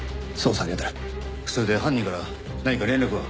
それで犯人から何か連絡は？